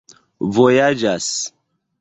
vojaĝas